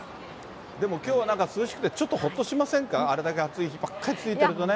でもきょうはなんか涼しくて、ちょっとほっとしませんか、あれだけ暑い日ばっかり続いてるとね。